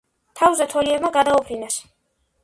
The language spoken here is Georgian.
თავზე თოლიებმა გადაუფრინეს.